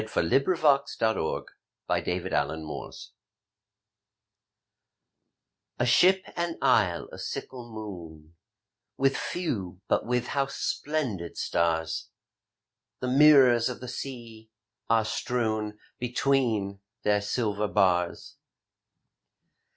174 A Ship^ an Isle, a Sickle Moon A ship, an isle, a sickle moon — With few but with how splendid stars The mirrors of the sea are strewn Between their silver bars